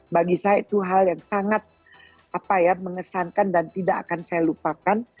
bagi saya itu hal yang sangat mengesankan dan tidak akan saya lupakan